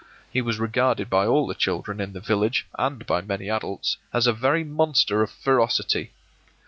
He was regarded by all the children in the village and by many adults as a very monster of ferocity.